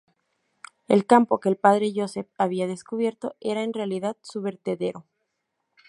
El campo que el padre Joseph había descubierto era en realidad su vertedero.